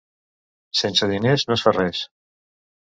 Sense diners no es fa res.